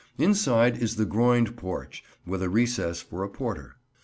Inside is the groined porch, with a recess for a porter.